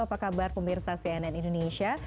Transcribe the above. apa kabar pemirsa cnn indonesia